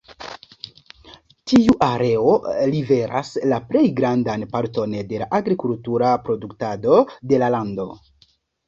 Tiu areo liveras la plej grandan parton de la agrikultura produktado de la lando.